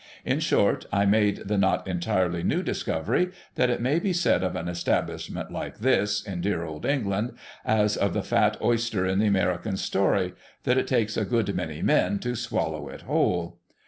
In short, I made the not entirely new discovery that it may be said of an establishment like this, in dear old England, as of the fat oyster in the American story, that it takes a good many men to swallow it whole.